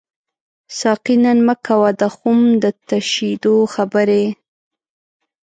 ساقي نن مه کوه د خُم د تشیدو خبري